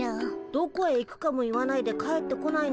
どこへ行くかも言わないで帰ってこないなんて